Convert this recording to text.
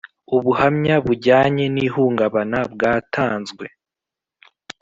ubuhamya bujyanye nihungabana bwatanzwe.